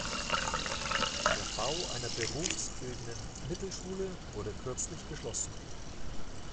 Der Bau einer berufsbildenden Mittelschule wurde kürzlich beschlossen.